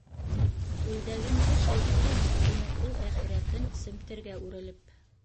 - Күлдәгең беше икән, - тине ул әхирәтен семтергә үрелеп.